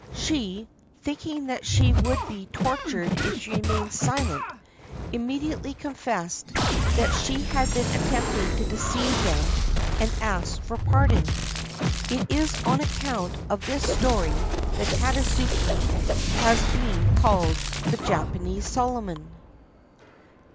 She, thinking that she would be tortured if she remained silent, immediately confessed that she had been attempting to deceive them and asked for pardon. It is on account of this story that Tadasuke has been called "The Japanese Solomon."